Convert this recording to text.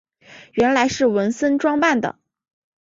原来是文森装扮的。